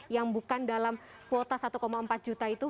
yang bukan dalam kuota satu empat juta itu